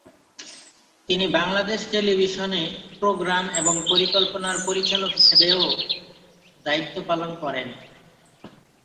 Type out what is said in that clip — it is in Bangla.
তিনি বাংলাদেশ টেলিভিশনে প্রোগ্রাম এবং পরিকল্পনার পরিচালক হিসাবেও দায়িত্ব পালন করেন।